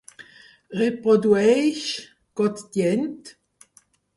Reprodueix "Got Djent"?